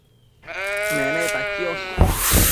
Meneta quiosh